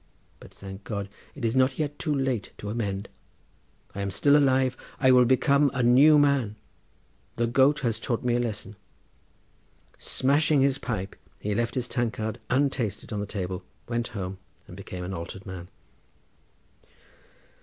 But, thank God, it is not yet too late to amend; I am still alive—I will become a new man—the goat has taught me a lesson." Smashing his pipe, he left his tankard untasted on the table, went home, and became an altered man.